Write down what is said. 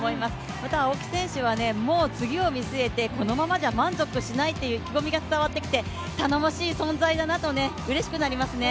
また青木選手はもう次を見据えて、このままじゃ満足しないという意気込みが伝わってきて頼もしい存在だなとうれしくなりますね。